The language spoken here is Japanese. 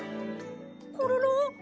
コロロ！？